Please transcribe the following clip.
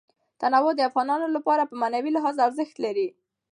تنوع د افغانانو لپاره په معنوي لحاظ ارزښت لري.